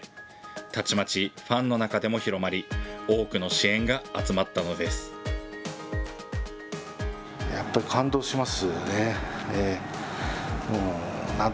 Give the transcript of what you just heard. たちまちファンの中でも広まり、多くの支援が集まったのです。